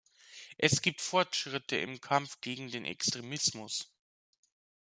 Es gibt Fortschritte im Kampf gegen den Extremismus.